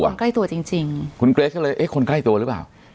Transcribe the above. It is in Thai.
คนใกล้ตัวจริงจริงคุณเกรทก็เลยเอ๊ะคนใกล้ตัวหรือเปล่า